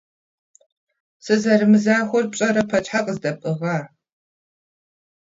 Сызэрымызахуэр пщӏэрэ пэт щхьэ къыздэпӏыгъа?